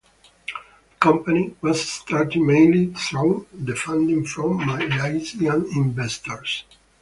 The company was started mainly through the funding from Malaysian investors.